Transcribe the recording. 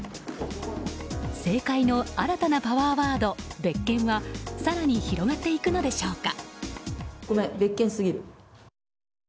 政界の新たなパワーワード別件は更に広がっていくのでしょうか。